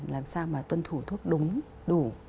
làm sao mà tuân thủ thuốc đúng đủ